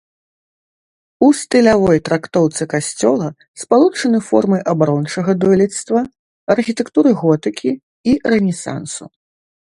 У стылявой трактоўцы касцёла спалучаны формы абарончага дойлідства, архітэктуры готыкі і рэнесансу.